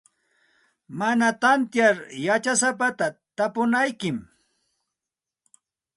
Mana tantiyar yachasapata tapunaykim.